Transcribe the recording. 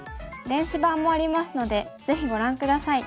電子版もありますのでぜひご覧下さい。